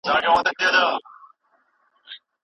اسلام د تورو ت تیارو څخه د وهمېشهو رڼا ده.